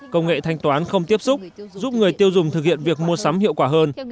công nghệ thanh toán không tiếp xúc giúp người tiêu dùng thực hiện việc mua sắm hiệu quả hơn